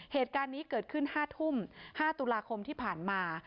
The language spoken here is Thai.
เหตุการณ์นี้เกิดขึ้น๕ทุ่ม๕ตุลาคมที่ผ่านมา